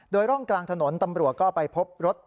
โดยร่องกลางถนนตำรวจก็ไปพบรถ